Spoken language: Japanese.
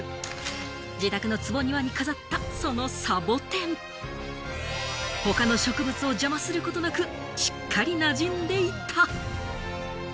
自宅の坪庭に飾った、そのサボテン、他の植物を邪魔することなくしっかり馴染んでいた。